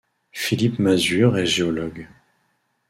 Philippe Masure est géologue.